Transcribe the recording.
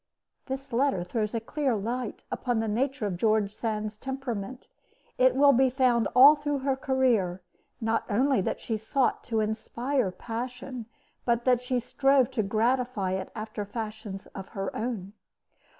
This letter throws a clear light upon the nature of George Sand's temperament. It will be found all through her career, not only that she sought to inspire passion, but that she strove to gratify it after fashions of her own.